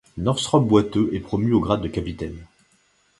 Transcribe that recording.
Northrop boiteux est promu au grade de capitaine.